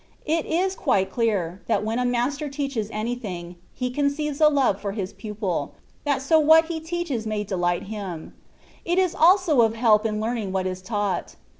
It is quite clear, that when a master teaches any thflig, he conceives a love for his pupil, that so what he teaches may delight him; it is also of help in learning what is taught.